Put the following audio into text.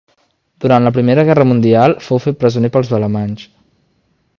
Durant la Primera Guerra Mundial fou fet presoner pels alemanys.